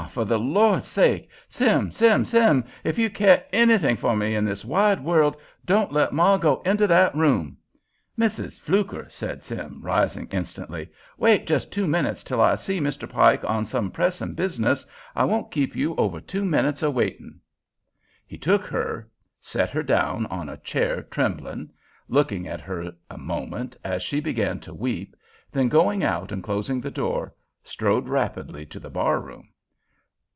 for the Lord's sake!—Sim, Sim, Sim, if you care _any_thing for me in this wide world, don't let ma go into that room!" "Missis Fluker," said Sim, rising instantly, "wait jest two minutes till I see Mr. Pike on some pressin' business; I won't keep you over two minutes a waitin'." He took her, set her down in a chair trembling, looked at her a moment as she began to weep, then, going out and closing the door, strode rapidly to the bar room.